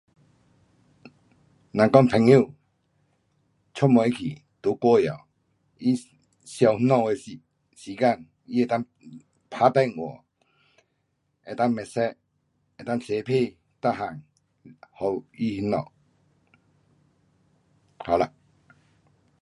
若讲朋友出门去在国外，他想那家的时，时间，他能够打电话，能够 message, 能够写信，每样，给他那家，好啦